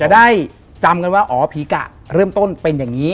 ได้จำกันว่าอ๋อผีกะเริ่มต้นเป็นอย่างนี้